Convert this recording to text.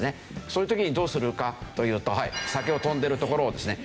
そういう時にどうするかというと酒を積んでるところをですね